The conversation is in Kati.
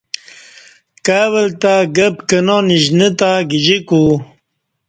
کای ول تہ گہ پکنا نشنی تہ گجیکو